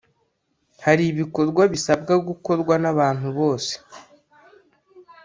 hari ibikorwa bisabwa gukorwa n’abantu bose